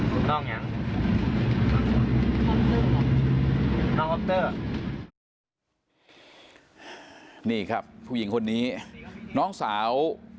คือสิ่งที่เราติดตามคือสิ่งที่เราติดตาม